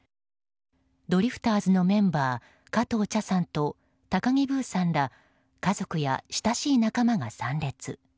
ドリフターズのメンバー加藤茶さんと高木ブーさんら家族や親しい仲間が参列。